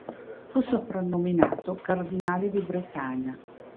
Fu soprannominato "Cardinale di Bretagna".